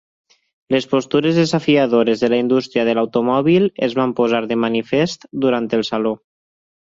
Les postures desafiadores de la indústria de l'automòbil es van posar de manifest durant el saló.